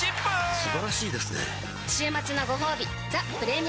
素晴らしいですね